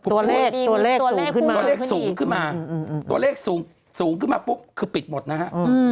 ตัวเลขสูงขึ้นมาตัวเลขสูงขึ้นมาปุ๊บคือปิดหมดนะฮะ